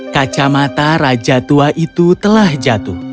kacamata raja tua itu telah jatuh